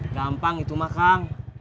gampang itu mah kang